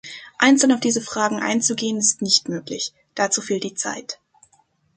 Einzeln auf diese Fragen einzugehen ist nicht möglich, dazu fehlt die Zeit.